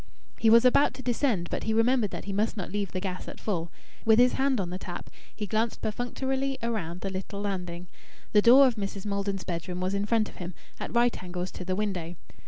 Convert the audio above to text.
He was about to descend, but he remembered that he must not leave the gas at full. With his hand on the tap, he glanced perfunctorily around the little landing. The door of Mrs. Maldon's bedroom was in front of him, at right angles to the window.